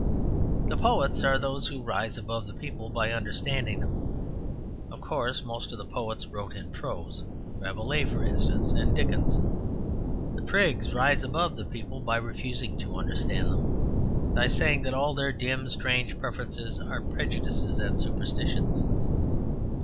The Poets are those who rise above the people by understanding them. Of course, most of the Poets wrote in prose Rabelais, for instance, and Dickens. The Prigs rise above the people by refusing to understand them: by saying that all their dim, strange preferences are prejudices and superstitions.